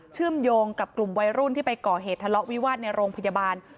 เชื่อมโยงกับกลุ่มวัยรุ่นที่ไปก่อเหตุทะเลาะวิวาสในโรงพยาบาล